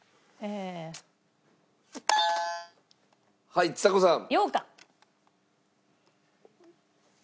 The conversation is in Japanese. はいちさ子さん。